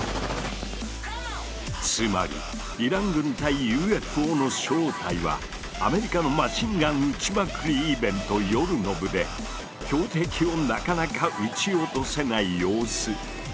つまり「イラン軍対ＵＦＯ」の正体はアメリカのマシンガン撃ちまくりイベント夜の部で標的をなかなか撃ち落とせない様子だったのだ。